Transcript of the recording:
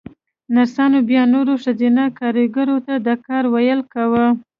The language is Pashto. نرسانو بيا نورو ښځينه کاريګرو ته د کار ويل کاوه.